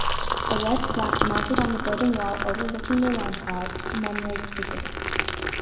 A red plaque mounted on a building wall overlooking the roundabout, commemorates this event.